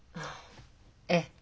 ええ。